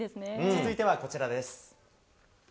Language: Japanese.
続いてはこちらです。